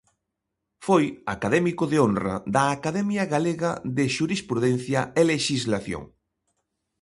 Foi académico de honra da Academia Galega de Xurisprudencia e Lexislación.